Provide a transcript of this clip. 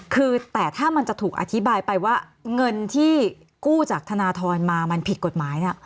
คือแต่ถ้ามันจะถูกอธิบายไปว่าเงินที่กู้จากธนทรมามันผิดกฎหมายเนี่ย